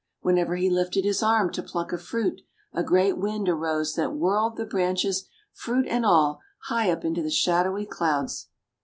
Whenever he lifted his arm to pluck a fruit, a great Wind arose that whirled the branches, fruit and all, high up into the shadowy clouds.